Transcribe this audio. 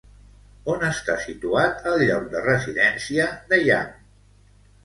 On està situat el lloc de residència de Yam?